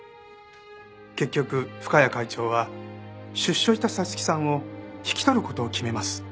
結局深谷会長は出所した彩月さんを引き取る事を決めます。